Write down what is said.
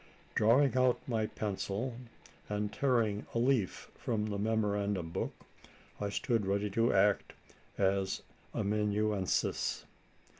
Drawing out my pencil, and tearing a leaf from the memorandum book, I stood ready to act as amanuensis.